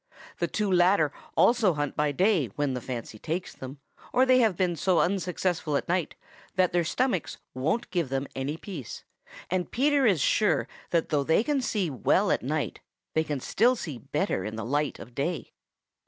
The two latter also hunt by day when the fancy takes them or they have been so unsuccessful at night that their stomachs won't give them any peace, and Peter is sure that though they can see very well at night, they can see still better in the light of day.